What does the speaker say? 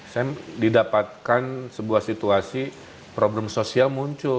saya didapatkan sebuah situasi problem sosial muncul